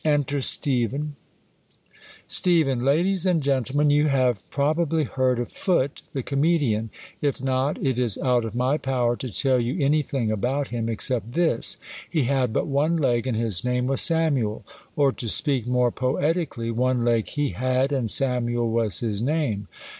Enter Stefhex. ^ J T ADIES and gendemen, you have prob ep len, |^ ^^^^y i jg^^rd of Foote, the comedian : if not, ii is out pi' my power to tell you any thing about him, except this; he had but one leg, and his name was Samuel. Or, to speak more poetically, one leg he had, and Samuel v/as his name.